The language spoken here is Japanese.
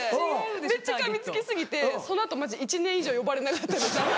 めっちゃかみつき過ぎてその後１年以上呼ばれなかったです。